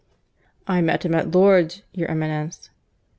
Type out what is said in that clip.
"I met him at Lourdes, your Eminence."